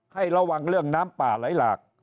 ให้ระวังเรื่องน้ำป่าไหลหลาก